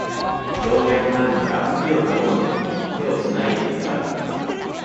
老若男女が、火を囲んで飲み、手をつないで歌う。